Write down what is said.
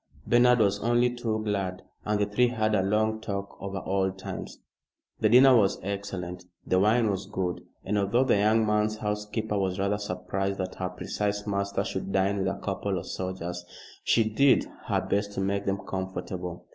Bernard was only too glad, and the three had a long talk over old times. The dinner was excellent, the wine was good, and although the young man's housekeeper was rather surprised that her precise master should dine with a couple of soldiers, she did her best to make them comfortable.